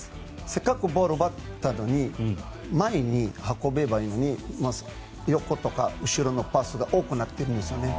せっかくボールを奪ったのに前に運べばいいのに横とか後ろのパスが多くなっているんですよね。